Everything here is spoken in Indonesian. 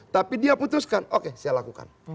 tapi dia putuskan oke saya lakukan